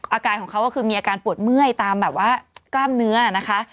อาการของเขาก็คือมีอาการปวดเมื่อยตามแบบว่ากล้ามเนื้อนะคะ